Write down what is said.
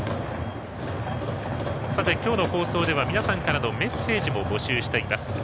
今日の放送では皆さんからのメッセージも募集しています。